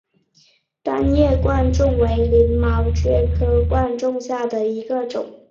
单叶贯众为鳞毛蕨科贯众属下的一个种。